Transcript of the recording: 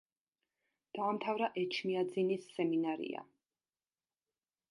დაამთავრა ეჩმიაძინის სემინარია.